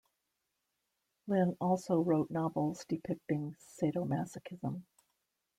Lynn also wrote novels depicting sadomasochism.